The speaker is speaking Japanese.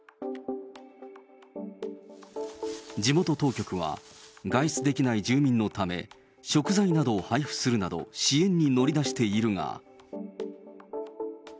地元当局は、外出できない住民のため、食材などを配布するなど、支援に乗り出しているが。